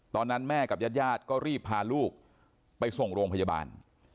ตอนนั้นแม่กับญาติญาติก็รีบพาลูกไปส่งโรงพยาบาล